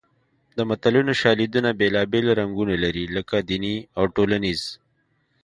د متلونو شالیدونه بېلابېل رنګونه لري لکه دیني او ټولنیز